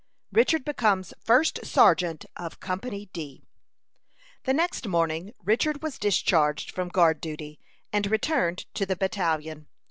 RICHARD BECOMES FIRST SERGEANT OF COMPANY D. The next morning Richard was discharged from guard duty, and returned to the battalion.